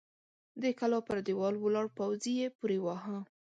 د کلا پر دېوال ولاړ پوځي يې پورې واهه!